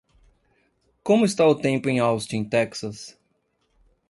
Como está o tempo em Austin, Texas?